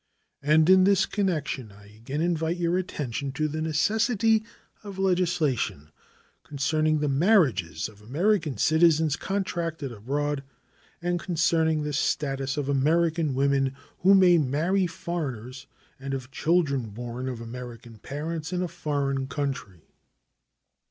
And in this connection I again invite your attention to the necessity of legislation concerning the marriages of American citizens contracted abroad, and concerning the status of American women who may marry foreigners and of children born of American parents in a foreign country.